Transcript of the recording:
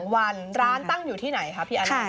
๒วันร้านตั้งอยู่ที่ไหนคะพี่อันไหน